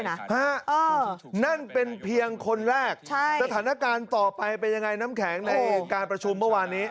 นั่นเป็นเพียงคนแรกใช่สถานการณ์ต่อไปเป็นยังไงน้ำแข็งในการประชุมเมื่อวานนี้